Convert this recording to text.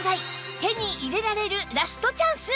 手に入れられるラストチャンス！